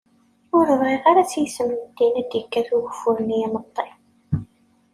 Ur bɣiɣ ara s yisem n ddin ad d-ikkat ugeffur n yimeṭṭi.